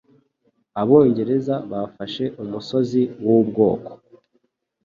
Abongereza bafashe Umusozi Wubwoko